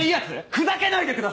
ふざけないでください！